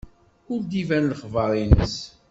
Ur d-iban lexbar-nnes.